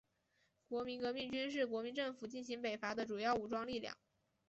国民革命军是国民政府进行北伐的主要武装力量。